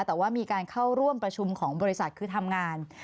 แต่ว่ามีการเข้าร่วมประชุมของบริษัทคือทำงาน